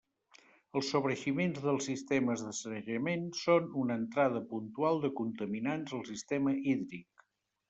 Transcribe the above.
Els sobreeiximents dels sistemes de sanejament són una entrada puntual de contaminants al sistema hídric.